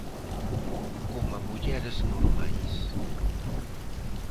Coma mulleres normais.